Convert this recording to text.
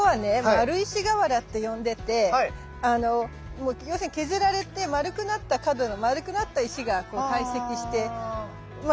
丸石河原って呼んでて要するに削られて丸くなった角の丸くなった石が堆積してまあ